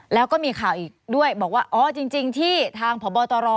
แล้วก็มีข่าวอีกด้วยบอกว่าอ๋อจริงที่ทางพบตร